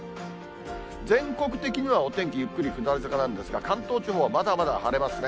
全国的にはお天気ゆっくり下り坂なんですが、関東地方はまだまだ晴れますね。